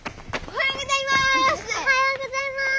おはようございます！